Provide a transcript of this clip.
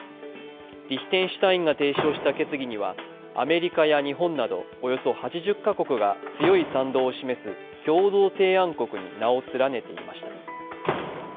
リヒテンシュタインが提唱した決議にはアメリカや日本などおよそ８０か国が強い賛同を示す共同提案国に名を連ねていました。